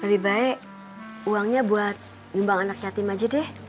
lebih baik uangnya buat nyumbang anak yatim aja deh